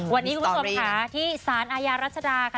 วันนี้คุณผู้ชมค่ะที่สารอาญารัชดาค่ะ